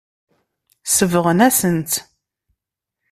Sebɣen-asen-tt.